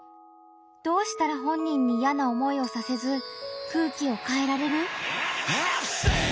どうしたら本人にいやな思いをさせず空気を変えられる？